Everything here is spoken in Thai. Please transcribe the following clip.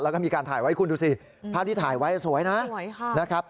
แล้วก็มีการถ่ายไว้คุณดูสิภาพที่ถ่ายไว้สวยนะ